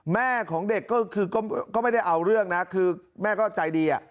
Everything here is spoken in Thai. แม่ของเด็กก็คือก็ไม่ได้เอาเรื่องนะคือแม่ก็ใจดี